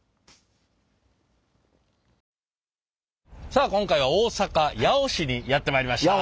さあ今回は大阪・八尾市にやって参りました。